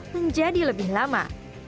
menjadi lebih lama